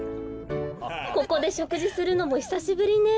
ここでしょくじするのもひさしぶりねえ。